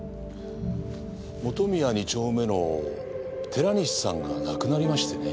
本宮二丁目の寺西さんが亡くなりましてね。